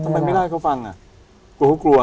ทำไมไม่ล่าเขาฟังกลัวเขากลัว